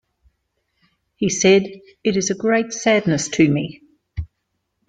He said, 'It is a great sadness to me.